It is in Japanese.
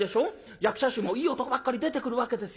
役者衆もいい男ばっかり出てくるわけですよ。